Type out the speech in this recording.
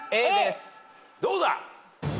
どうだ！？